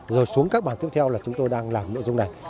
rồi xuống các bàn tiếp theo là chúng tôi đang làm nội dung này